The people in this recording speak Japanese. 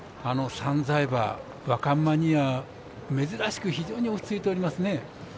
３歳馬、若馬には珍しく非常に落ち着いていますね。